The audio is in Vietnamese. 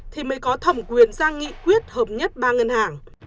thì mới có thẩm quyền ra nghị quyết hợp nhất ba ngân hàng